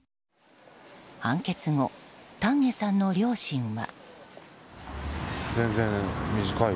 判決後、丹下さんの両親は。